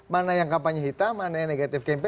mana yang kapalnya hitam mana yang negatif kmp